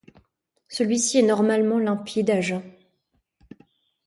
Celui-ci est normalement limpide à jeun.